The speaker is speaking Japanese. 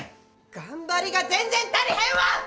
頑張りが全然足りへんわ！